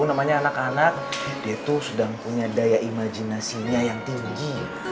namanya anak anak dia itu sudah mempunyai daya imajinasinya yang tinggi